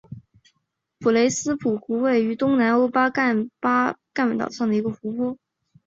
普雷斯帕湖是位于东南欧巴尔干半岛上的一个湖泊。